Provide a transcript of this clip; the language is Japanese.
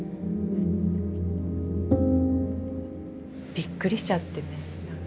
びっくりしちゃってね何か。